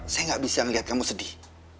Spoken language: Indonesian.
saya gak bisa melihat kamu sedih